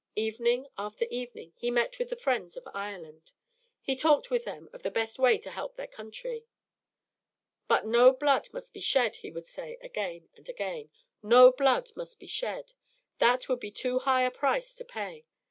Evening after evening he met with the friends of Ireland. He talked with them of the best way to help their country. "But no blood must be shed," he would say again and again. "No blood must be shed. That would be too high a price to pay.